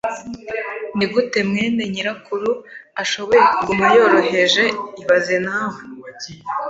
Nigute mwene nyirakuru ashoboye kuguma yoroheje ibaze nawe